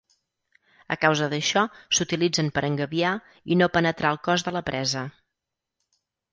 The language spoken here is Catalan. A causa d'això s'utilitzen per engabiar i no penetrar el cos de la presa.